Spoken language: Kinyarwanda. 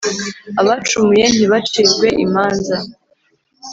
abacumuye ntibacirwe imanza